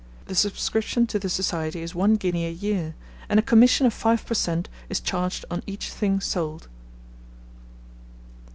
The subscription to the Society is one guinea a year, and a commission of five per cent. is charged on each thing sold.